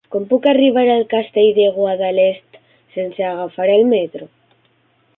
Com puc arribar al Castell de Guadalest sense agafar el metro?